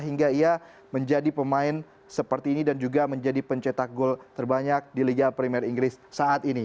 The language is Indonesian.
hingga ia menjadi pemain seperti ini dan juga menjadi pencetak gol terbanyak di liga primer inggris saat ini